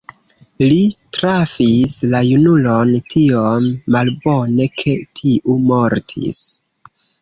Li trafis la junulon tiom malbone, ke tiu mortis.